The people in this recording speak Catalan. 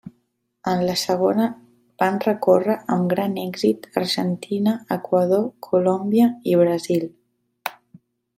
En la segona van recórrer amb gran èxit Argentina, Equador, Colòmbia i Brasil.